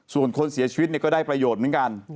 ส่วนคนเสียชีวิตก็ได้ประโยชน์เหมือนกัน